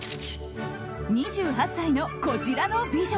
２８歳のこちらの美女。